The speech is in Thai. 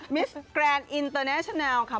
มิสแกรนด์อินเตอร์เนชแนลค่ะ